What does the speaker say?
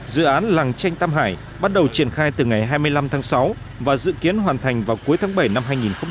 dự án làng tranh tam hải bắt đầu triển khai từ ngày hai mươi năm tháng sáu và dự kiến hoàn thành vào cuối tháng bảy năm hai nghìn hai mươi